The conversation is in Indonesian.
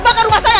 bakal rumah saya